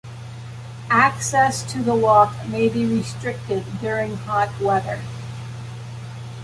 Access to the walk may be restricted during hot weather.